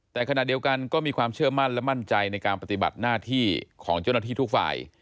แต่ขณะเดียวกันก็มีความเชื่อมั่นและมั่นใจในการปฏิบัติหน้าที่ของเจ้าหน้าที่ทุกฝ่าย